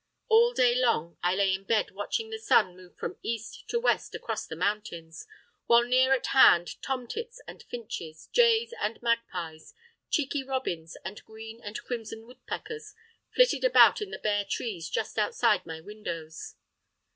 All day long I lay in bed watching the sun move from east to west across the mountains, while near at hand tomtits and finches, jays and magpies, cheeky robins and green and crimson woodpeckers flitted about in the bare trees just outside my windows.